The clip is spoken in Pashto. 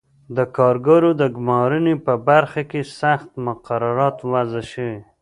د کارګرو د ګومارنې په برخه کې سخت مقررات وضع شوي.